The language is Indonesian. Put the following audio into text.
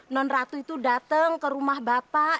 nonratu itu dateng ke rumah bapak